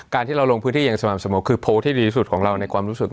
การที่เราลงพื้นที่เยิงสมามสมมุติคือโพสรที่ดีสุดในความรู้สึก